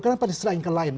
kenapa diselain ke lain